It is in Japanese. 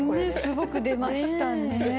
すごく出ましたね。